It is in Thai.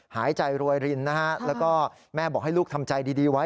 หายใจรวยรินนะฮะแล้วก็แม่บอกให้ลูกทำใจดีไว้